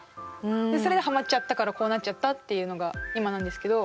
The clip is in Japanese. それでハマっちゃったからこうなっちゃったっていうのが今なんですけど。